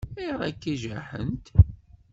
Ayɣer akka i jaḥent?